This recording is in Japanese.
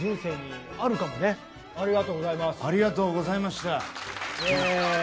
ありがとうございます。